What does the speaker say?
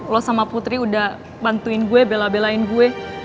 lo sama putri udah bantuin gue bela belain gue